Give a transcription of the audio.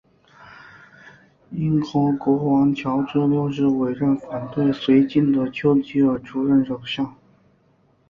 英国国王乔治六世委任反对绥靖的邱吉尔出任首相。